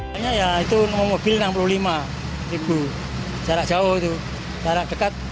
hanya ya itu mobil enam puluh lima ribu jarak jauh itu jarak dekat